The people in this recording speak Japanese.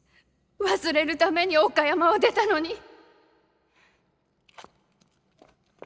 忘れるために岡山を出たのに。